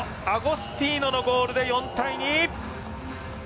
アゴスティーノのゴールで４対２！